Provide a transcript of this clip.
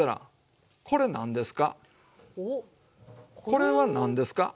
これは何ですか？